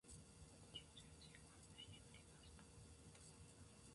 九州新幹線に乗りました。